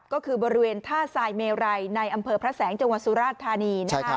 ก็คือบริเวณท่าทรายเมไรในอำเภอพระแสงจังหวัดสุราชธานี